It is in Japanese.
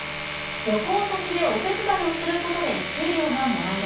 旅行先でお手伝いをすることで給料がもらえる。